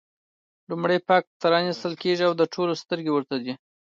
لومړی پاکټ پرانېستل کېږي او د ټولو سترګې ورته دي.